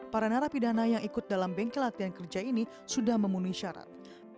para narapidana yang ikut dalam bengkel latihan kerja ini sudah memenuhi syarat